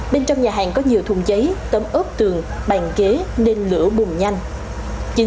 bên trong nhà hàng có nhiều thùng giấy tấm ớp tường bàn ghế nên lửa bùng nhanh